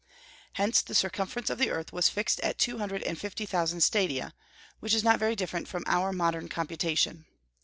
Hence the circumference of the earth was fixed at two hundred and fifty thousand stadia, which is not very different from our modern computation.